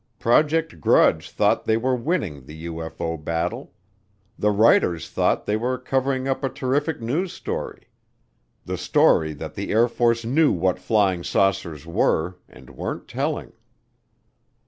Project Grudge thought they were winning the UFO battle; the writers thought that they were covering up a terrific news story the story that the Air Force knew what flying saucers were and weren't telling.